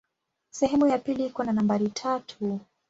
Sehemu ya pili iko na nambari tatu.